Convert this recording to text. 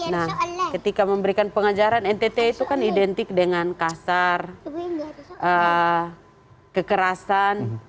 nah ketika memberikan pengajaran ntt itu kan identik dengan kasar kekerasan